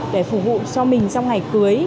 để phục vụ cho mình trong ngày cưới